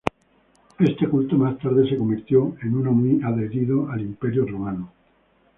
Este culto más tarde se convirtió en uno muy adherido al Imperio Romano.